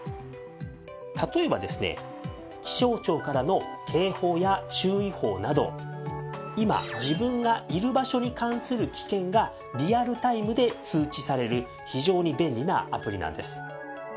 例えばですね気象庁からの警報や注意報など今自分がいる場所に関する危険がリアルタイムで通知される非常に便利なアプリなんです。